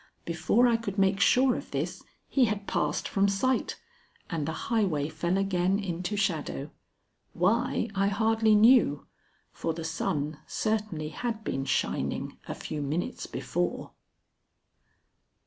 Before I could make sure of this he had passed from sight, and the highway fell again into shadow why, I hardly knew, for the sun certainly had been shining a few minutes before.